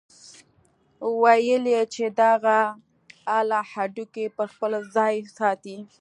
ويل يې چې دغه اله هډوکي پر خپل ځاى ساتي.